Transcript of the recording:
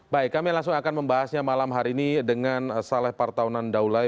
baik kami langsung akan membahasnya malam hari ini dengan saleh partaunan daulay